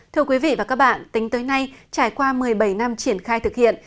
thưa quý vị và các bạn tính tới nay trải qua một mươi bảy năm triển khai thực hiện